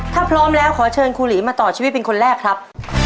ถ้าพร้อมแล้วขอเชิญครูหลีมาต่อชีวิตเป็นคนแรกครับ